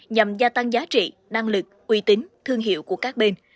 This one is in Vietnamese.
nhằm gia tăng giá trị năng lực uy tín thương hiệu của các bên